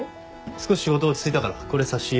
少し仕事落ち着いたからこれ差し入れ。